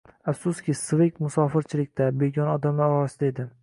Afsuski, Sveyg musofirchilikda, begona odamlar orasida edi